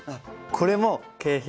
これも景品。